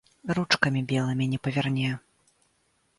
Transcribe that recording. Ручкамі белымі не паверне.